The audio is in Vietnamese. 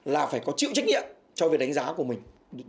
là phải có chịu trách nhiệm cho việc đánh giá của mình